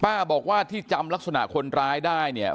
บอกว่าที่จำลักษณะคนร้ายได้เนี่ย